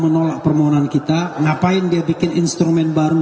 mk mau menolak permohonan kita pernyataannya kenapa bikin instrumen baru